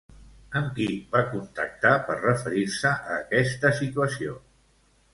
Amb qui va contactar per referir-se a aquesta situació?